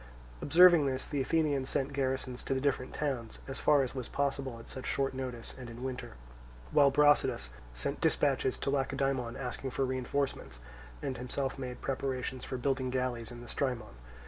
Observing this, the Athenians sent garrisons to the different towns, as far as was possible at such short notice and in winter; while Brasidas sent dispatches to Lacedaemon asking for reinforcements, and himself made preparations for building galleys in the Strymon.